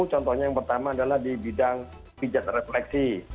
contohnya yang pertama adalah di bidang pijat refleksi